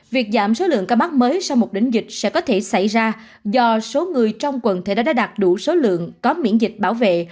việc giảm số lượng ca mắc mới sau một đỉnh dịch sẽ có thể xảy ra do số người trong quần thể đã đạt đủ số lượng có miễn dịch bảo vệ